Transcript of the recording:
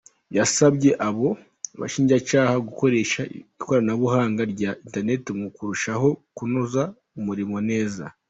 Yasabye abo bashinjacyaha gukoresha ikoranabuhanga rya internet mu kurushaho kunoza umurimo neza.